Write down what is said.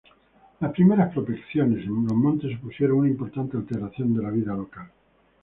Las primeras prospecciones en los montes supusieron una importante alteración de la vida local.